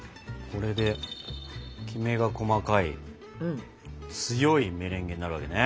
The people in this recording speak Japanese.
これでキメが細かい強いメレンゲになるわけね。